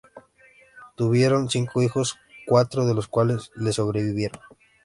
Tuvieron cinco hijos, cuatro de los cuales le sobrevivieron.